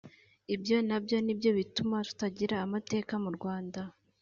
ibyo nabyo nibyo bituma tutagira amateka mu Rwanda